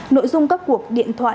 nội dung các cuộc điện thoại